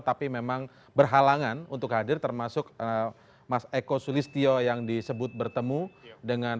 tapi memang berhalangan untuk hadir termasuk mas eko sulistyo yang disebut bertemu dengan